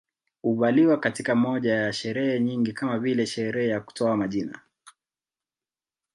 Huvaliwa katika moja ya sherehe nyingi kama vile sherehe ya kutoa majina